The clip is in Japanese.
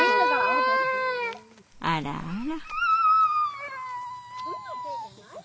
あらあら。